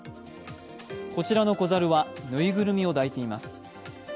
こちらの子猿はぬいぐるみを抱いています。